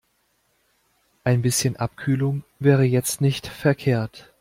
Ein bisschen Abkühlung wäre jetzt nicht verkehrt.